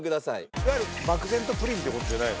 いわゆる漠然とプリンって事じゃないの？